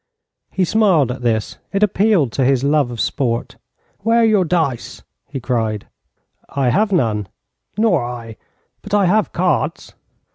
He smiled at this. It appealed to his love of sport. 'Where are your dice?' he cried. 'I have none.' 'Nor I. But I have cards.'